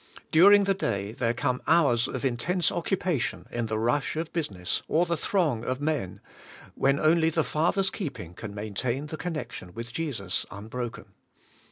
During the day there come hours of intense occupa tion in the rush of business or the throng of men, when only the Father's keeping can maintain the connection with Jesus unbroken.